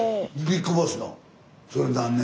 ビッグボスの。